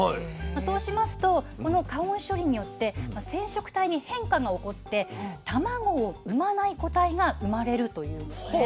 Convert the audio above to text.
そうしますとこの加温処理によって染色体に変化が起こって卵を産まない個体が生まれるというんですね。